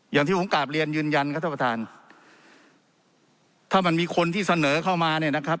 อย่างที่ผมกลับเรียนยืนยันครับท่านประธานถ้ามันมีคนที่เสนอเข้ามาเนี่ยนะครับ